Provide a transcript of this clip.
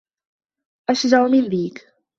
أشجع من ديك